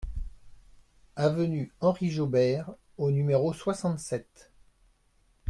Avenue Henri Jaubert au numéro soixante-sept